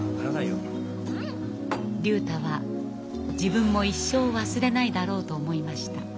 竜太は自分も一生忘れないだろうと思いました。